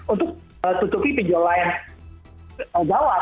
untuk tutupi pinjol lain gawat